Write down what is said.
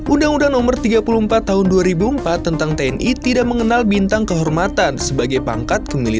undang undang nomor tiga puluh empat tahun dua ribu empat tentang tni tidak mengenal bintang kehormatan sebagai pangkat